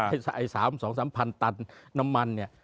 ไอ้สามสองสามพันตันน้ำมันเนี่ย